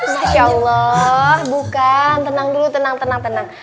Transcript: masya allah bukan tenang dulu tenang tenang tenang